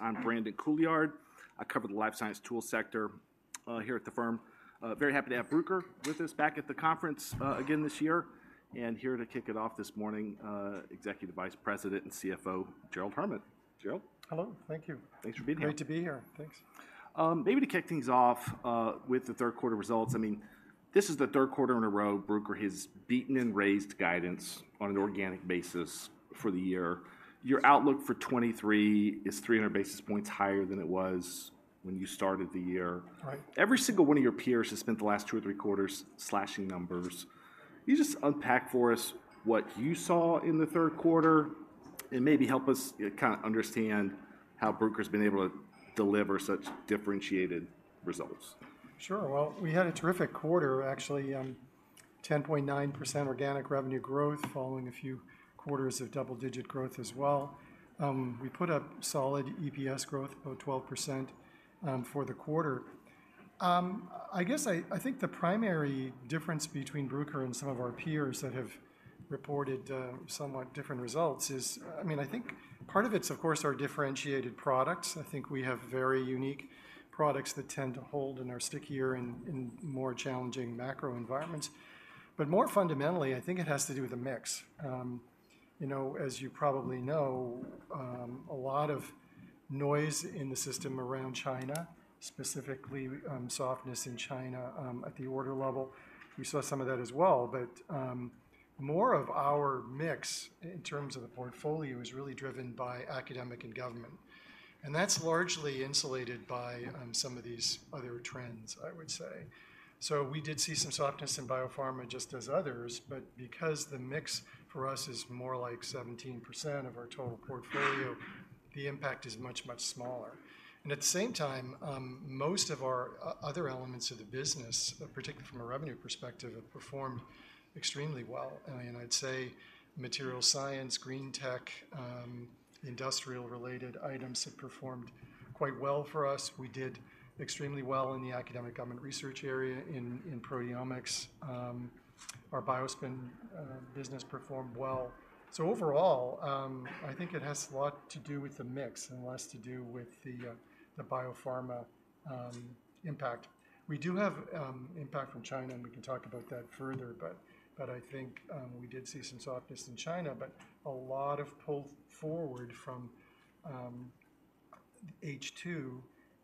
I'm Brandon Couillard. I cover the life science tool sector here at the firm. Very happy to have Bruker with us back at the conference again this year. And here to kick it off this morning, Executive Vice President and CFO, Gerald Herman. Gerald? Hello. Thank you. Thanks for being here. Great to be here. Thanks. Maybe to kick things off, with the third quarter results, I mean, this is the third quarter in a row Bruker has beaten and raised guidance on an organic basis for the year. Your outlook for 2023 is 300 basis points higher than it was when you started the year. Right. Every single one of your peers has spent the last two or three quarters slashing numbers. Can you just unpack for us what you saw in the third quarter, and maybe help us, kinda understand how Bruker's been able to deliver such differentiated results? Sure. Well, we had a terrific quarter, actually, 10.9% organic revenue growth, following a few quarters of double-digit growth as well. We put up solid EPS growth, about 12%, for the quarter. I guess I think the primary difference between Bruker and some of our peers that have reported somewhat different results is... I mean, I think part of it's, of course, our differentiated products. I think we have very unique products that tend to hold and are stickier in more challenging macro environments. But more fundamentally, I think it has to do with the mix. You know, as you probably know, a lot of noise in the system around China, specifically, softness in China, at the order level. We saw some of that as well, but more of our mix in terms of the portfolio is really driven by academic and government, and that's largely insulated by some of these other trends, I would say. So we did see some softness in biopharma, just as others, but because the mix for us is more like 17% of our total portfolio, the impact is much, much smaller. And at the same time, most of our other elements of the business, particularly from a revenue perspective, have performed extremely well. And I'd say materials science, green tech, industrial-related items have performed quite well for us. We did extremely well in the academic government research area, in proteomics. Our BioSpin business performed well. So overall, I think it has a lot to do with the mix and less to do with the, the biopharma, impact. We do have impact from China, and we can talk about that further, but, but I think, we did see some softness in China, but a lot of pull forward from H2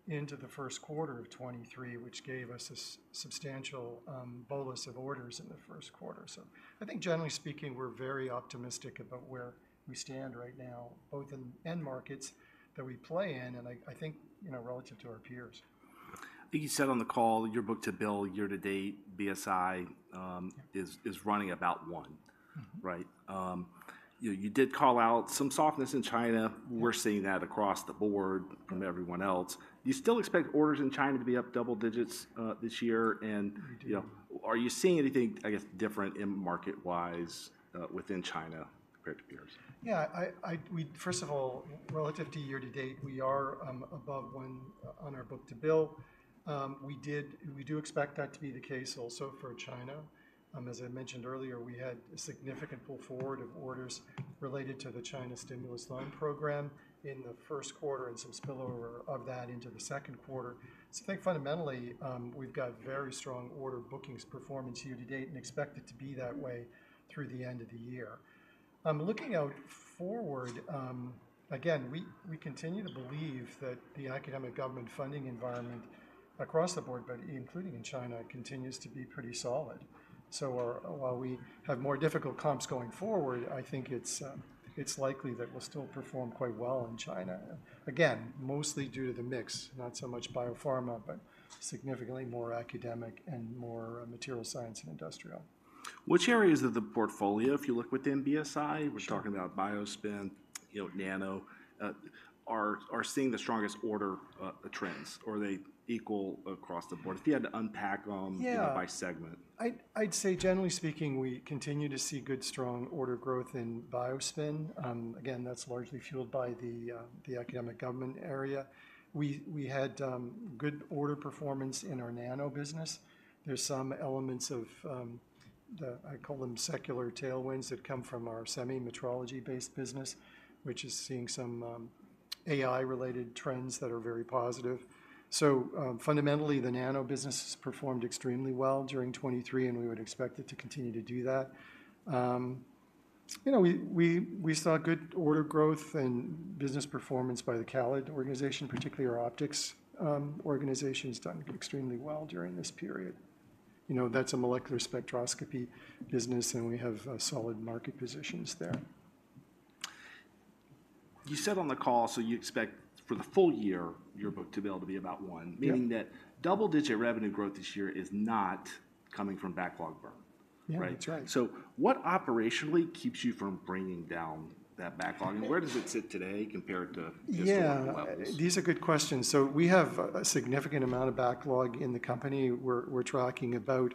into the first quarter of 2023, which gave us a substantial bolus of orders in the first quarter. So I think generally speaking, we're very optimistic about where we stand right now, both in the end markets that we play in, and I, I think, you know, relative to our peers. I think you said on the call, your book-to-bill year to date, BSI, Yeah... is running about one. Mm-hmm. Right? You did call out some softness in China. Yeah. We're seeing that across the board- Yeah... from everyone else. You still expect orders in China to be up double digits, this year, and- We do... you know, are you seeing anything, I guess, different in market-wise, within China compared to peers? Yeah, we—First of all, relative to year to date, we are above one on our book-to-bill. We do expect that to be the case also for China. As I mentioned earlier, we had a significant pull forward of orders related to the China stimulus loan program in the first quarter and some spillover of that into the second quarter. So I think fundamentally, we've got very strong order bookings performance year to date and expect it to be that way through the end of the year. Looking out forward, again, we continue to believe that the academic government funding environment across the board, but including in China, continues to be pretty solid. So, while we have more difficult comps going forward, I think it's likely that we'll still perform quite well in China. Again, mostly due to the mix, not so much biopharma, but significantly more academic and more material science and industrial. Which areas of the portfolio, if you look within BSI- Sure... we're talking about BioSpin, you know, Nano, are seeing the strongest order trends, or are they equal across the board? If you had to unpack them- Yeah... you know, by segment. I'd say generally speaking, we continue to see good, strong order growth in BioSpin. Again, that's largely fueled by the academic government area. We had good order performance in our Nano business. There's some elements of the, I call them secular tailwinds, that come from our semi-metrology-based business, which is seeing some AI-related trends that are very positive. So, fundamentally, the Nano business has performed extremely well during 2023, and we would expect it to continue to do that. You know, we saw good order growth and business performance by the CALID organization, particularly our optics. Organization's done extremely well during this period. You know, that's a molecular spectroscopy business, and we have solid market positions there. You said on the call, so you expect for the full year, your book-to-bill to be about 1- Yeah... meaning that double-digit revenue growth this year is not coming from backlog burn. Yeah. Right? That's right. So what operationally keeps you from bringing down that backlog, and where does it sit today compared to historical levels? Yeah, these are good questions. So we have a significant amount of backlog in the company. We're tracking about,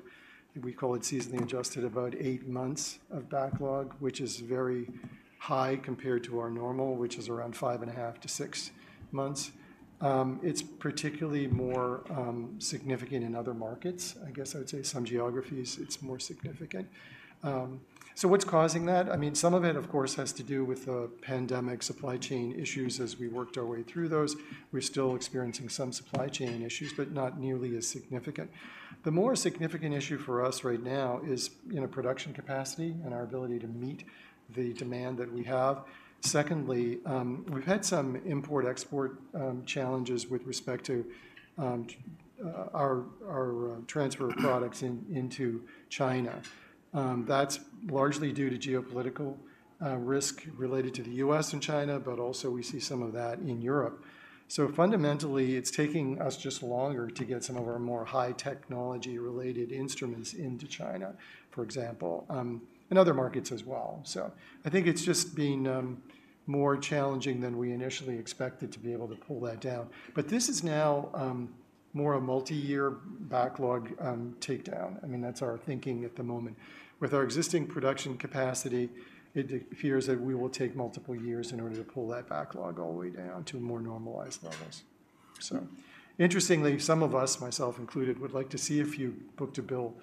we call it seasonally adjusted, about eight months of backlog, which is very high compared to our normal, which is around 5.5-6 months. It's particularly more significant in other markets. I guess I would say some geographies, it's more significant. So what's causing that? I mean, some of it, of course, has to do with the pandemic supply chain issues. As we worked our way through those, we're still experiencing some supply chain issues, but not nearly as significant. The more significant issue for us right now is, you know, production capacity and our ability to meet the demand that we have. Secondly, we've had some import/export challenges with respect to our transfer of products in into China. That's largely due to geopolitical risk related to the U.S. and China, but also we see some of that in Europe. So fundamentally, it's taking us just longer to get some of our more high technology-related instruments into China, for example, and other markets as well. So I think it's just been more challenging than we initially expected to be able to pull that down. But this is now more a multi-year backlog takedown. I mean, that's our thinking at the moment. With our existing production capacity, it appears that we will take multiple years in order to pull that backlog all the way down to more normalized levels. So interestingly, some of us, myself included, would like to see a few book-to-bill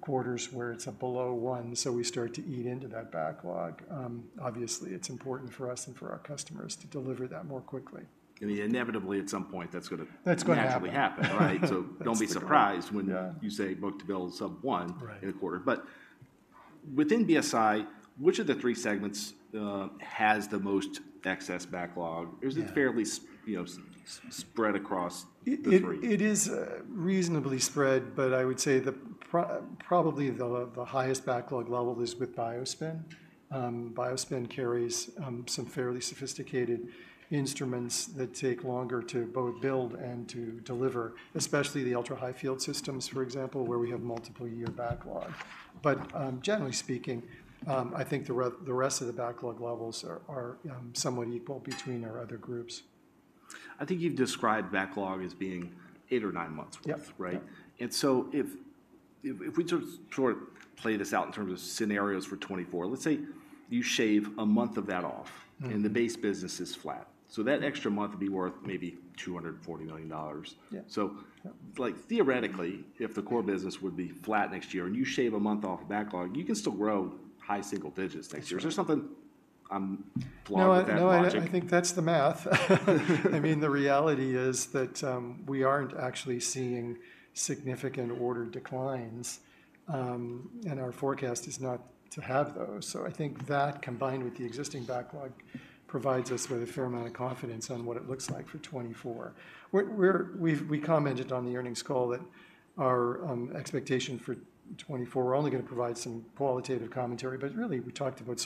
quarters where it's a below one, so we start to eat into that backlog. Obviously, it's important for us and for our customers to deliver that more quickly. I mean, inevitably, at some point, that's gonna- That's gonna happen.... naturally happen, right? That's the goal. Don't be surprised when- Yeah... you say Book-to-bill sub 1- Right... in a quarter. But within BSI, which of the three segments has the most excess backlog? Yeah. Or is it fairly, you know, spread across the three? It is reasonably spread, but I would say probably the highest backlog level is with BioSpin. BioSpin carries some fairly sophisticated instruments that take longer to both build and to deliver, especially the ultra-high field systems, for example, where we have multiple year backlog. But generally speaking, I think the rest of the backlog levels are somewhat equal between our other groups. I think you've described backlog as being eight or nine months' worth- Yep... right? Yeah. And so if we just sort of play this out in terms of scenarios for 2024, let's say you shave a month of that off- Mm... and the base business is flat. So that extra month would be worth maybe $240 million. Yeah. So- Yeah... like, theoretically, if the core business would be flat next year and you shave a month off the backlog, you can still grow high single digits next year. That's right. Is there something I'm flawed with that logic? No, I think that's the math. I mean, the reality is that we aren't actually seeing significant order declines, and our forecast is not to have those. So I think that, combined with the existing backlog, provides us with a fair amount of confidence on what it looks like for 2024. We've commented on the earnings call that our expectation for 2024, we're only gonna provide some qualitative commentary, but really, we talked about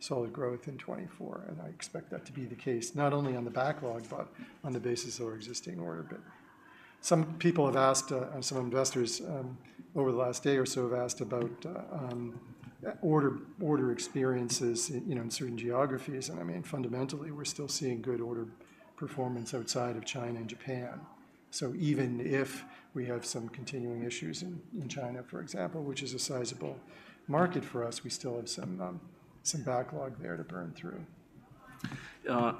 solid growth in 2024, and I expect that to be the case, not only on the backlog, but on the basis of our existing order. But some people have asked, some investors over the last day or so have asked about order experiences in, you know, in certain geographies. And I mean, fundamentally, we're still seeing good order performance outside of China and Japan. So even if we have some continuing issues in China, for example, which is a sizable market for us, we still have some backlog there to burn through.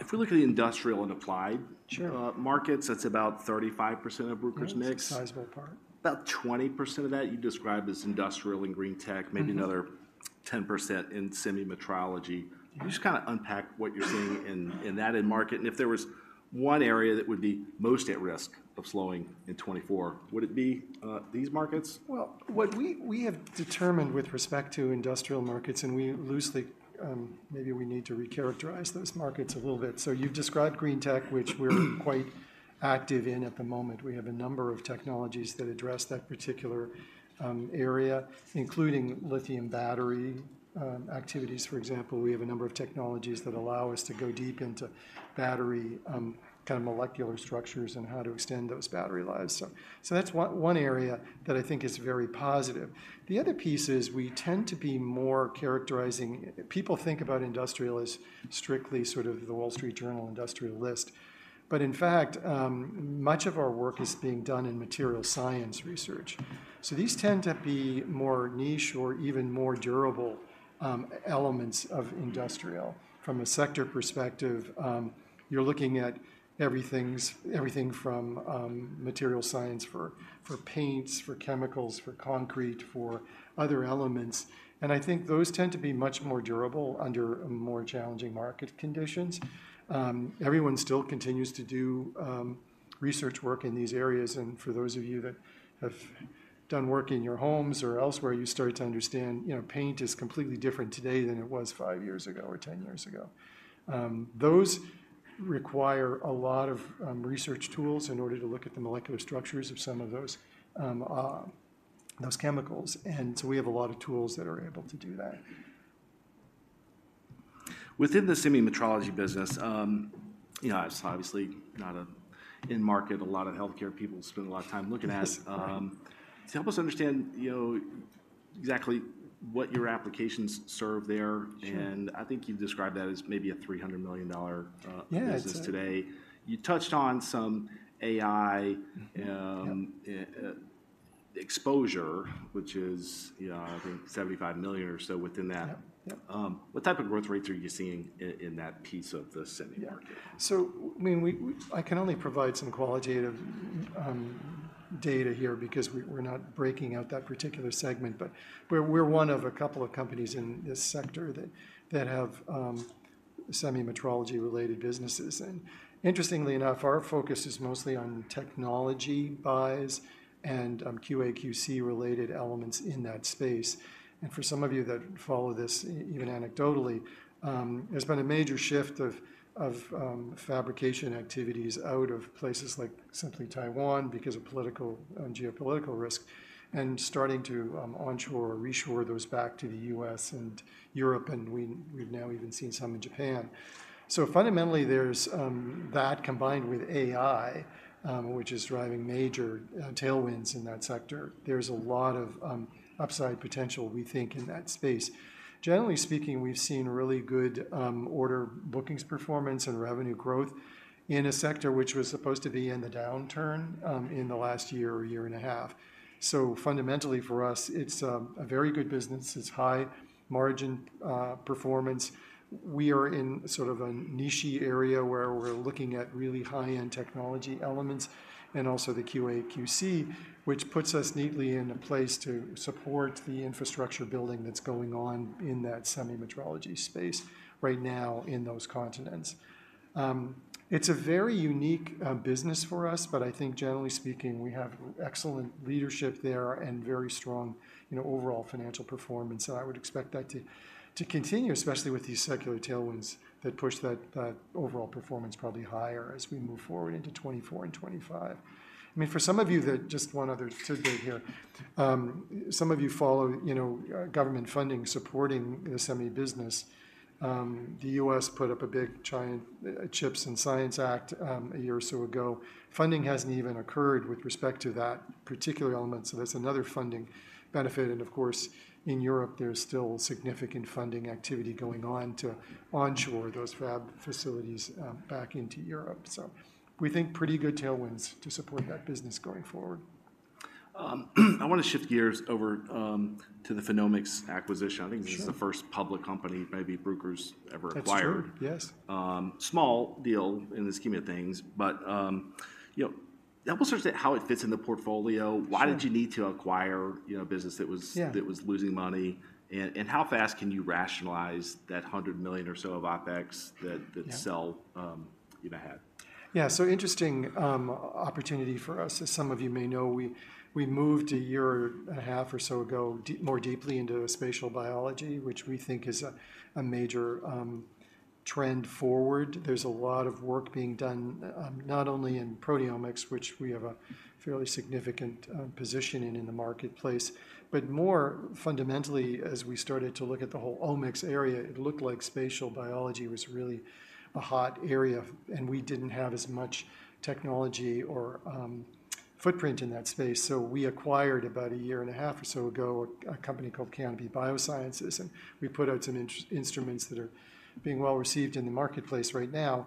If we look at the industrial and applied- Sure... markets, that's about 35% of Bruker's mix. Yeah, it's a sizable part. About 20% of that you describe as industrial and green tech- Mm-hmm... maybe another 10% in semi-metrology. Yeah. Can you just kinda unpack what you're seeing in that end market? If there was one area that would be most at risk of slowing in 2024, would it be these markets? Well, what we have determined with respect to industrial markets, and we loosely maybe we need to recharacterize those markets a little bit. So you've described green tech, which we're quite active in at the moment. We have a number of technologies that address that particular area, including lithium battery activities, for example. We have a number of technologies that allow us to go deep into battery kind of molecular structures and how to extend those battery lives. So that's one area that I think is very positive. The other piece is we tend to be more characterizing... People think about industrial as strictly sort of the Wall Street Journal industrial list, but in fact, much of our work is being done in material science research. So these tend to be more niche or even more durable elements of industrial. Mm-hmm. From a sector perspective, you're looking at everything from material science for paints, for chemicals, for concrete, for other elements, and I think those tend to be much more durable under more challenging market conditions. Everyone still continues to do research work in these areas, and for those of you that have done work in your homes or elsewhere, you start to understand, you know, paint is completely different today than it was five years ago or 10 years ago. Those require a lot of research tools in order to look at the molecular structures of some of those chemicals, and so we have a lot of tools that are able to do that. Within the semi-metrology business, you know, it's obviously not an end market a lot of healthcare people spend a lot of time looking at. Right. Help us understand, you know, exactly what your applications serve there? Sure. I think you've described that as maybe a $300 million dollar, Yeah, that's it.... business today. You touched on some AI. Yep. exposure, which is, you know, I think $75 million or so within that. Yep, yep. What type of growth rates are you seeing in that piece of the semi market? Yeah. So I mean, I can only provide some qualitative data here because we're not breaking out that particular segment. But we're one of a couple of companies in this sector that have semi-metrology-related businesses. And interestingly enough, our focus is mostly on technology buys and QA/QC-related elements in that space. And for some of you that follow this, even anecdotally, there's been a major shift of fabrication activities out of places like simply Taiwan because of political and geopolitical risk, and starting to onshore or reshore those back to the U.S. and Europe, and we've now even seen some in Japan. So fundamentally, there's that combined with AI, which is driving major tailwinds in that sector. There's a lot of upside potential, we think, in that space. Generally speaking, we've seen really good order bookings, performance, and revenue growth in a sector which was supposed to be in the downturn in the last year or year and a half. So fundamentally, for us, it's a very good business. It's high margin performance. We are in sort of a niche-y area where we're looking at really high-end technology elements and also the QA/QC, which puts us neatly in a place to support the infrastructure building that's going on in that semi-metrology space right now in those continents. It's a very unique business for us, but I think generally speaking, we have excellent leadership there and very strong, you know, overall financial performance. And I would expect that to, to continue, especially with these secular tailwinds that push that, that overall performance probably higher as we move forward into 2024 and 2025. I mean, for some of you, just one other tidbit here. Some of you follow, you know, government funding supporting the semi business. The U.S. put up a big, giant, CHIPS and Science Act, a year or so ago. Funding hasn't even occurred with respect to that particular element, so that's another funding benefit. And of course, in Europe, there's still significant funding activity going on to onshore those fab facilities back into Europe. So we think pretty good tailwinds to support that business going forward. I want to shift gears over to the PhenomeX acquisition. Sure. I think this is the first public company maybe Bruker's ever acquired. That's true, yes. Small deal in the scheme of things, but, you know, help us understand how it fits in the portfolio? Sure. Why did you need to acquire, you know, a business that was- Yeah... that was losing money? And how fast can you rationalize that $100 million or so of OpEx- Yeah... that, that cell, you know, had? Yeah, so interesting, opportunity for us. As some of you may know, we, we moved a year and a half or so ago, more deeply into spatial biology, which we think is a major trend forward. There's a lot of work being done, not only in proteomics, which we have a fairly significant position in, in the marketplace, but more fundamentally, as we started to look at the whole omics area, it looked like spatial biology was really a hot area, and we didn't have as much technology or footprint in that space. So we acquired, about a year and a half or so ago, a company called Canopy Biosciences, and we put out some instruments that are being well received in the marketplace right now.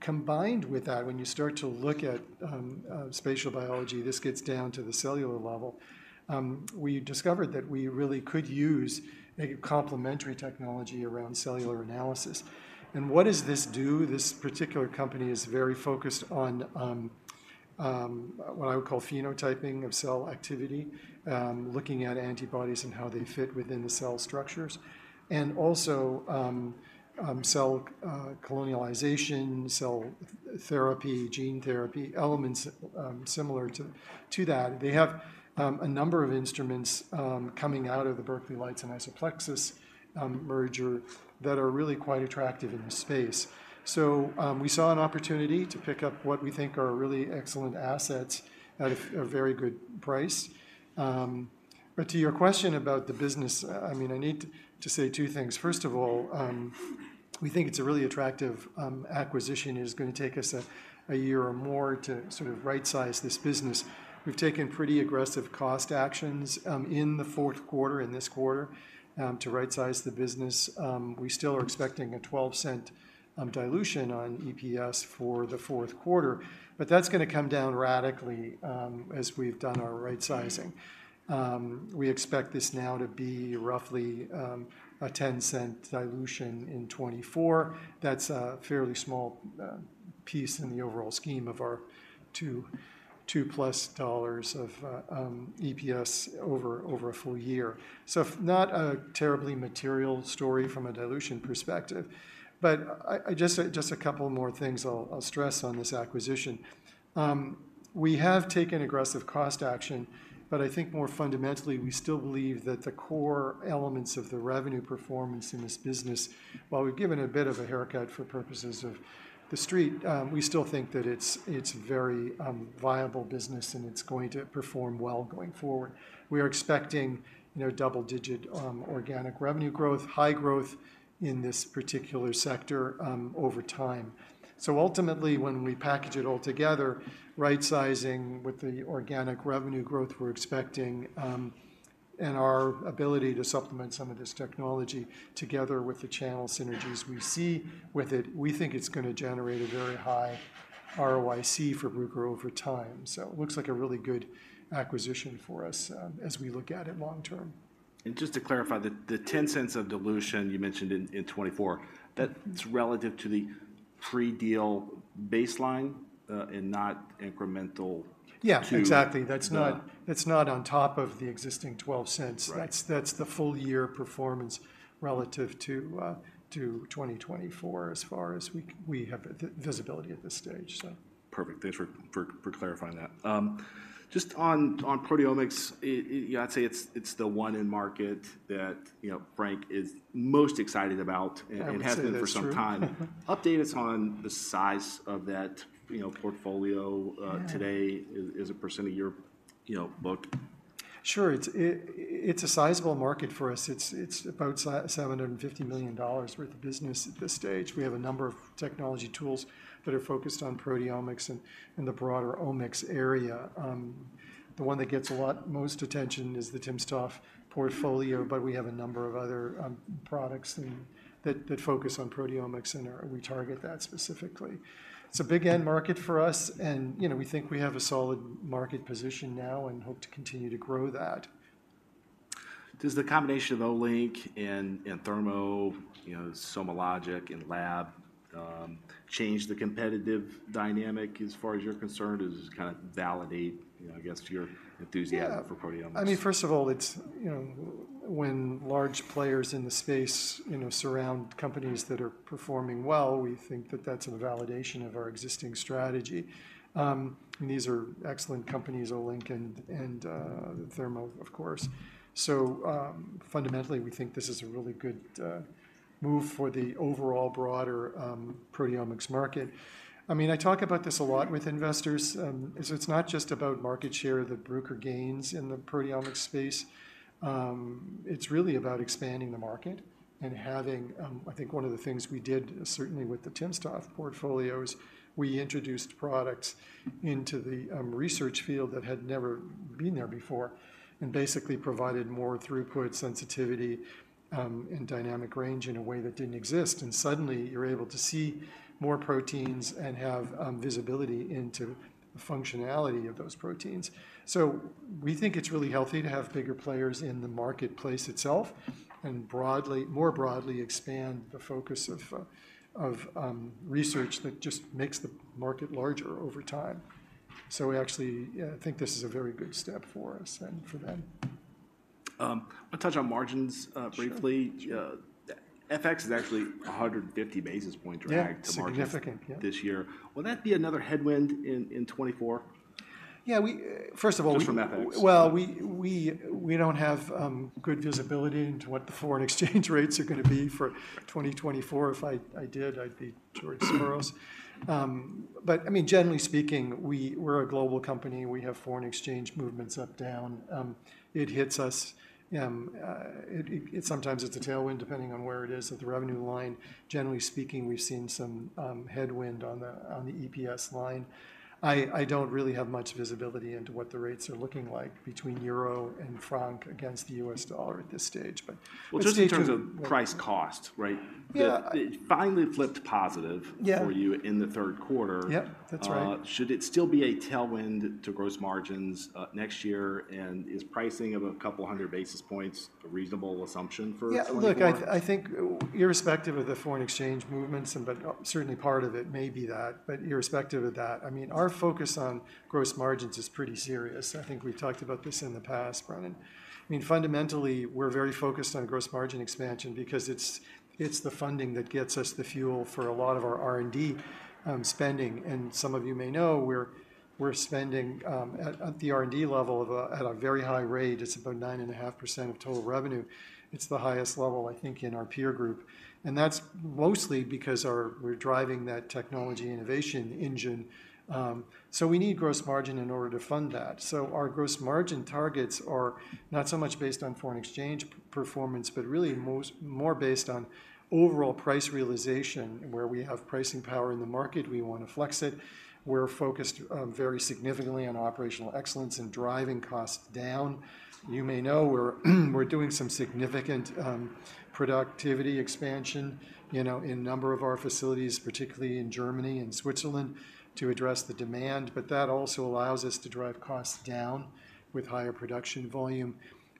Combined with that, when you start to look at spatial biology, this gets down to the cellular level. We discovered that we really could use a complementary technology around cellular analysis. And what does this do? This particular company is very focused on what I would call phenotyping of cell activity, looking at antibodies and how they fit within the cell structures, and also cell colonization, cell therapy, gene therapy elements, similar to that. They have a number of instruments coming out of the Berkeley Lights and IsoPlexis merger that are really quite attractive in the space. So, we saw an opportunity to pick up what we think are really excellent assets at a very good price. But to your question about the business, I mean, I need to say two things. First of all, we think it's a really attractive acquisition. It is gonna take us a year or more to sort of rightsize this business. We've taken pretty aggressive cost actions in the fourth quarter, in this quarter, to rightsize the business. We still are expecting a $0.12 dilution on EPS for the fourth quarter, but that's gonna come down radically as we've done our rightsizing. We expect this now to be roughly a $0.10 dilution in 2024. That's a fairly small piece in the overall scheme of our $2.2+ of EPS over a full year. So not a terribly material story from a dilution perspective, but I just a couple more things I'll stress on this acquisition. We have taken aggressive cost action, but I think more fundamentally, we still believe that the core elements of the revenue performance in this business, while we've given a bit of a haircut for purposes of the street, we still think that it's a very viable business and it's going to perform well going forward. We are expecting, you know, double-digit organic revenue growth, high growth in this particular sector over time. So ultimately, when we package it all together-... Right sizing with the organic revenue growth we're expecting, and our ability to supplement some of this technology together with the channel synergies we see with it, we think it's gonna generate a very high ROIC for Bruker over time. So it looks like a really good acquisition for us, as we look at it long term. And just to clarify, the $0.10 of dilution you mentioned in 2024, that's relative to the pre-deal baseline, and not incremental- Yeah. To- Exactly. Uh. That's not on top of the existing $0.12. Right. That's the full year performance relative to 2024, as far as we have visibility at this stage, so. Perfect. Thanks for clarifying that. Just on proteomics, yeah, I'd say it's the one in market that, you know, Frank is most excited about- Yeah, I would say that's true. and has been for some time. Update us on the size of that, you know, portfolio. Yeah... today, as a percent of your, you know, book. Sure. It's a sizable market for us. It's about $750 million worth of business at this stage. We have a number of technology tools that are focused on proteomics and the broader omics area. The one that gets most attention is the timsTOF portfolio, but we have a number of other products that focus on proteomics, and we target that specifically. It's a big end market for us, and, you know, we think we have a solid market position now and hope to continue to grow that. Does the combination of Olink and, and Thermo, you know, SomaLogic in lab, change the competitive dynamic as far as you're concerned, or does it kind of validate, you know, I guess, your enthusiasm? Yeah -for proteomics? I mean, first of all, it's, you know, when large players in the space, you know, surround companies that are performing well, we think that that's a validation of our existing strategy. And these are excellent companies, Olink and Thermo, of course. So, fundamentally, we think this is a really good move for the overall broader proteomics market. I mean, I talk about this a lot with investors, is it's not just about market share that Bruker gains in the proteomics space, it's really about expanding the market and having... I think one of the things we did, certainly with the timsTOF portfolio, is we introduced products into the research field that had never been there before and basically provided more throughput, sensitivity, and dynamic range in a way that didn't exist. Suddenly, you're able to see more proteins and have visibility into the functionality of those proteins. So we think it's really healthy to have bigger players in the marketplace itself, and more broadly expand the focus of research that just makes the market larger over time. So we actually think this is a very good step for us and for them. I'll touch on margins briefly. Sure. FX is actually a 150 basis point drag- Yeah... to margins- Significant, yeah this year. Will that be another headwind in 2024? Yeah, we, first of all- Just from FX. Well, we don't have good visibility into what the foreign exchange rates are gonna be for 2024. If I did, I'd be George Soros. But I mean, generally speaking, we're a global company. We have foreign exchange movements up, down. It hits us. Sometimes it's a tailwind, depending on where it is at the revenue line. Generally speaking, we've seen some headwind on the EPS line. I don't really have much visibility into what the rates are looking like between euro and franc against the US dollar at this stage, but- Well, just in terms of price cost, right? Yeah. It finally flipped positive- Yeah... for you in the third quarter. Yep, that's right. Should it still be a tailwind to gross margins next year? And is pricing of a couple hundred basis points a reasonable assumption for 2024? Yeah, look, I think irrespective of the foreign exchange movements, certainly part of it may be that, but irrespective of that, I mean, our focus on gross margins is pretty serious. I think we've talked about this in the past, Brian. I mean, fundamentally, we're very focused on gross margin expansion because it's the funding that gets us the fuel for a lot of our R&D spending. And some of you may know, we're spending at the R&D level at a very high rate. It's about 9.5% of total revenue. It's the highest level, I think, in our peer group. And that's mostly because we're driving that technology innovation engine. So we need gross margin in order to fund that. So our gross margin targets are not so much based on foreign exchange performance, but really more based on overall price realization. Where we have pricing power in the market, we wanna flex it. We're focused very significantly on operational excellence and driving costs down. You may know, we're doing some significant productivity expansion, you know, in a number of our facilities, particularly in Germany and Switzerland, to address the demand, but that also allows us to drive costs down with higher production volume.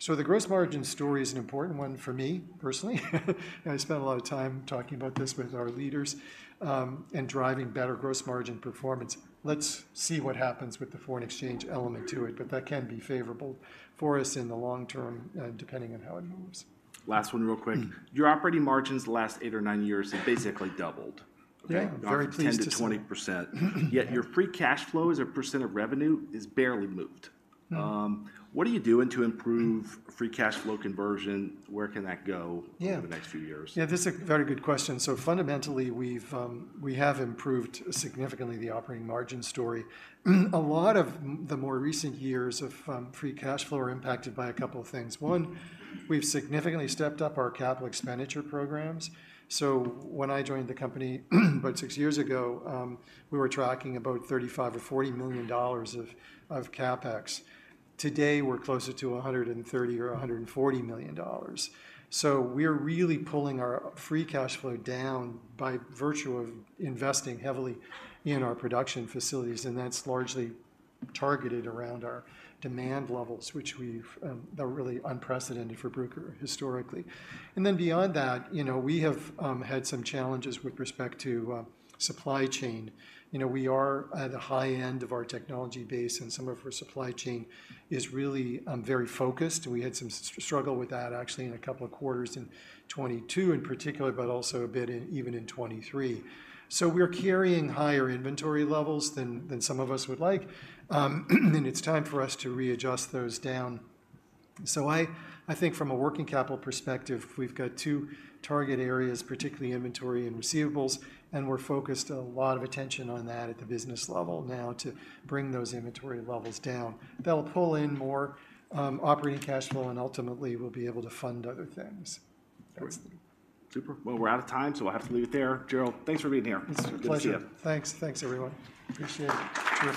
So the gross margin story is an important one for me, personally. And I spend a lot of time talking about this with our leaders and driving better gross margin performance. Let's see what happens with the foreign exchange element to it, but that can be favorable for us in the long term, depending on how it moves. Last one, real quick. Mm. Your operating margins the last eight or nine years have basically doubled. Yeah. Okay. Very pleased to see- 10%-20%. Yet your free cash flow as a % of revenue is barely moved. Mm. What are you doing to improve- Mm... free cash flow conversion? Where can that go- Yeah... over the next few years? Yeah, that's a very good question. So fundamentally, we have improved significantly the operating margin story. A lot of the more recent years of free cash flow are impacted by a couple of things. One, we've significantly stepped up our capital expenditure programs. So when I joined the company, about six years ago, we were tracking about $35 million or $40 million of CapEx. Today, we're closer to $130 million or $140 million. So we're really pulling our free cash flow down by virtue of investing heavily in our production facilities, and that's largely targeted around our demand levels, which are really unprecedented for Bruker historically. And then beyond that, you know, we have had some challenges with respect to supply chain. You know, we are at the high end of our technology base, and some of our supply chain is really very focused. We had some struggle with that, actually, in a couple of quarters in 2022 in particular, but also a bit, even in 2023. So we're carrying higher inventory levels than some of us would like, and it's time for us to readjust those down. So I think from a working capital perspective, we've got two target areas, particularly inventory and receivables, and we're focused a lot of attention on that at the business level now to bring those inventory levels down. That'll pull in more operating cash flow, and ultimately, we'll be able to fund other things. Great. That's- Super. Well, we're out of time, so I'll have to leave it there. Gerald, thanks for being here. It's a pleasure. Good to see you. Thanks. Thanks, everyone. Appreciate it.